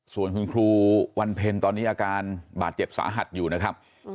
ส่วนคุณครูวันเพ็ญตอนนี้อาการบาดเจ็บสาหัสอยู่นะครับ